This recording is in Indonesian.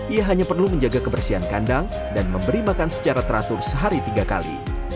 ia hanya perlu menjaga kebersihan kandang dan memberi makan secara teratur sehari tiga kali